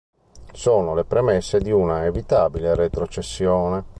Sono le premesse di una evitabile retrocessione.